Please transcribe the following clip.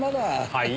はい？